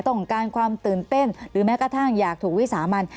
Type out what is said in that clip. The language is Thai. ต้องการความตื่นเต้นหรือแม้กระทั่งอยากถูกวิสามัน